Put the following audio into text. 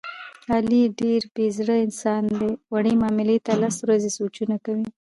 علي ډېر بې زړه انسان دی، وړې معاملې ته لس ورځې سوچونه کوي.